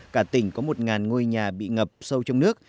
cả tỉnh có một ngôi nhà bị ngập sâu trong nước